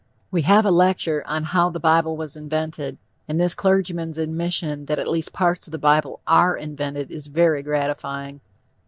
We have a lecture on "How the Bible was Invented," and this clergyman's admission that at least parts of the bible are invented is very gratifying.